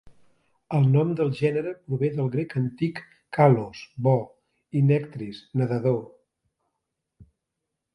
El nom del gènere prové del grec antic "kalos" ("bo") i "nectris" ("nedador").